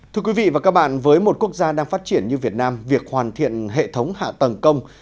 thưa quý vị và các bạn với một quốc gia đang phát triển như việt nam việc hoàn thiện hệ thống hạ tầng công